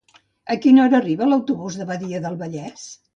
A quina hora arriba l'autobús de Badia del Vallès?